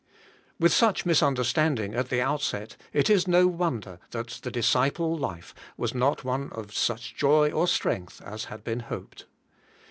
With such misunderstanding at the outset, it is no wonder that the disciple life was not one of such joy 24 ABIDE IN CHRIST: or strength as had been hoped.